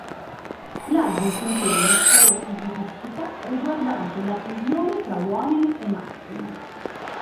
L'album contiene una storia futuristica riguardante la fusione tra uomini e macchine.